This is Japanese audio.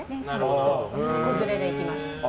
子連れで行きました。